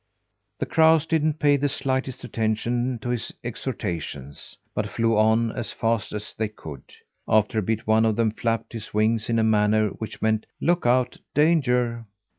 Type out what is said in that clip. The crows didn't pay the slightest attention to his exhortations, but flew on as fast as they could. After a bit, one of them flapped his wings in a manner which meant: "Look out! Danger!"